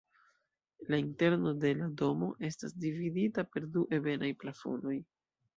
La interno de la domo estas dividita per du ebenaj plafonoj.